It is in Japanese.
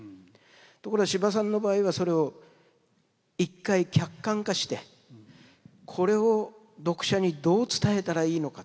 ところが司馬さんの場合はそれを一回客観化してこれを読者にどう伝えたらいいのか。